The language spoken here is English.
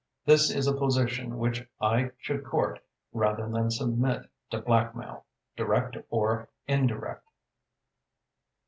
This is a position which I should court rather than submit to blackmail direct or indirect."